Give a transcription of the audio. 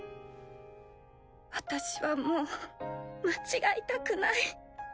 私はもう間違いたくない。